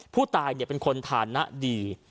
ผู้ตายเนี่ยเป็นคนทานะดี